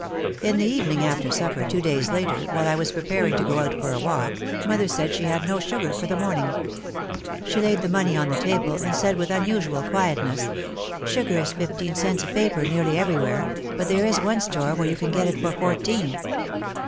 In the evening after supper, two days later, while I was preparing to go out for a walk, mother said she had no sugar for the morning. She laid the money on the table and said with unusual quietness, "Sugar is fifteen cents a paper nearly everywhere but there is one store where you can get it for fourteen."